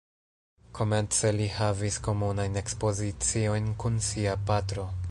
Komence li havis komunajn ekspoziciojn kun sia patro.